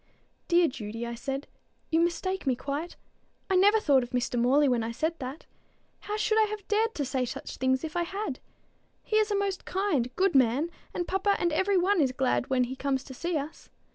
"Dear Judy," I said, "you mistake me quite. I never thought of Mr. Morley when I said that. How should I have dared to say such things if I had? He is a most kind, good man, and papa and every one is glad when he comes to see us.